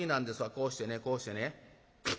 こうしてねこうしてね。